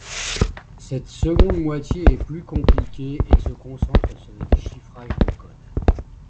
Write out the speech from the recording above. Cette seconde moitié est plus compliquée et se concentre sur le déchiffrage de code.